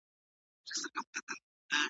مادي کلتور تر معنوي کلتور بېلابېل عوامل لري.